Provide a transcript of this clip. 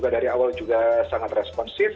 dari awal juga sangat responsif